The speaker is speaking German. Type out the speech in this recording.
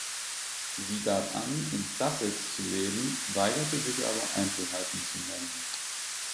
Sie gab an, in Sussex zu leben, weigerte sich aber Einzelheiten zu nennen.